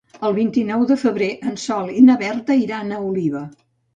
El vint-i-nou de febrer en Sol i na Berta iran a Oliva.